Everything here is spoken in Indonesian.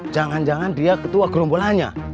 jangan jangan dia ketua gerombolannya